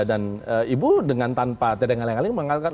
dan ibu dengan tanpa tedeng tendeng mengatakan